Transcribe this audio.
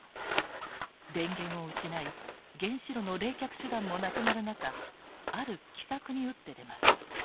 電源を失い原子炉の冷却手段もなくなる中ある奇策に打って出ます。